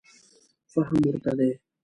فهم ورته دی.